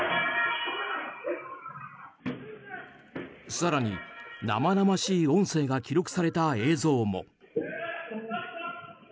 更に、生々しい音声が記録された映像も。